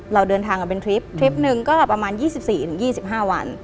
เราเดินทางกันเป็นทริปทริปหนึ่งก็ประมาณ๒๔๒๕วัน